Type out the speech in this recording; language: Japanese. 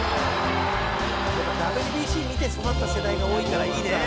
「やっぱＷＢＣ見て育った世代が多いからいいね」